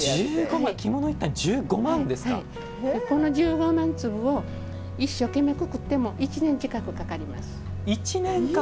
この１５万粒を一生懸命、くくっても１年近くかかります。